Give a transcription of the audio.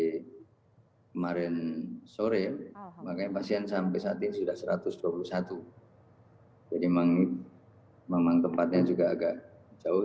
kemarin sore makanya pasien sampai saat ini sudah satu ratus dua puluh satu jadi memang tempatnya juga agak jauh